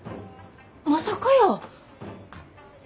まさかやー。